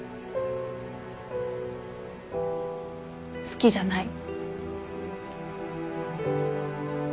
好きじゃない。